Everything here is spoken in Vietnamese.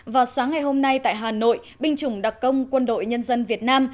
vào sáng ngày hôm nay tại hà nội binh chủng đặc công quân đội nhân dân việt nam